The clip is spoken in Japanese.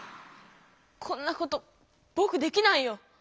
こんなことぼくできないよ。